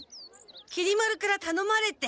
きり丸からたのまれて。